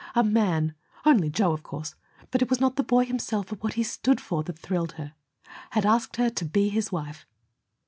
A man only Joe, of course, but it was not the boy himself, but what he stood for, that thrilled her had asked her to be his wife.